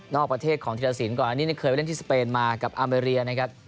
ประเทศของธิรสินก่อนอันนี้เคยไปเล่นที่สเปนมากับอาเมรียนะครับ